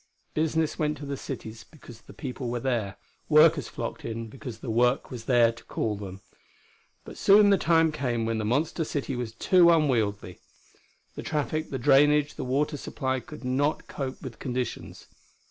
Business went to the cities because the people were there; workers flocked in because the work was there to call them. But soon the time came when the monster city was too unwieldy. The traffic, the drainage, the water supply could not cope with conditions.